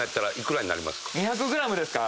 ２００ｇですか？